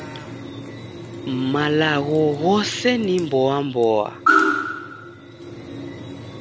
Malagho ghose ni mboa mboa.